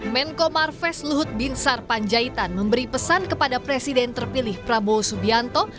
menko marves luhut binsar panjaitan memberi pesan kepada presiden terpilih prabowo subianto